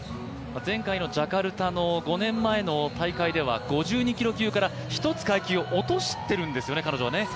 前回のジャカルタの５年前の大会では５２キロ級から１つ階級を落としてるんですよね、彼女は。